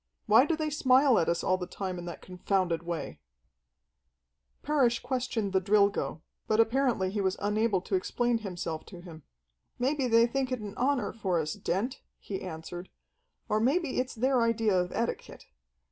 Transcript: "Why do they smile at us all the time in that confounded way?" Parrish questioned the Drilgo, but apparently he was unable to explain himself to him. "Maybe they think it an honor for us, Dent," he answered, "or maybe it's their idea of etiquette.